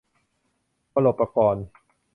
วโรปกรณ์